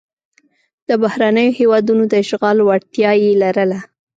د بهرنیو هېوادونو د اشغال وړتیا یې لرله.